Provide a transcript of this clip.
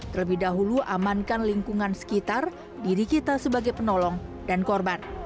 terlebih dahulu amankan lingkungan sekitar diri kita sebagai penolong dan korban